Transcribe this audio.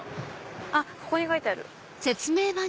あっここに書いてある。